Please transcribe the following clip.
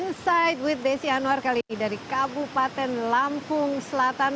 insight with desi anwar kali ini dari kabupaten lampung selatan